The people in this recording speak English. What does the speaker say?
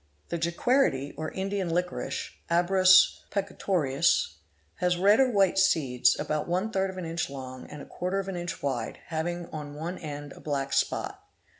| The Jequirity or Indian Liquorice, abrus precatorius, (Gundamant, Tam.) has "red or white seeds, about one third of an inch long and a quarter of an inch wide, having on one end a black spot.